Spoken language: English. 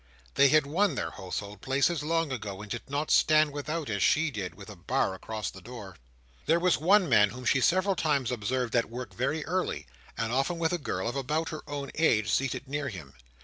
They had won their household places long ago, and did not stand without, as she did, with a bar across the door. There was one man whom she several times observed at work very early, and often with a girl of about her own age seated near him.